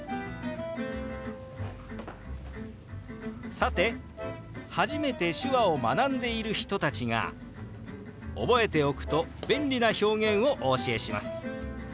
さて初めて手話を学んでいる人たちが覚えておくと便利な表現をお教えします。